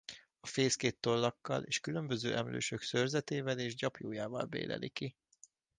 A fészket tollakkal és különböző emlősök szőrzetével és gyapjújával béleli ki.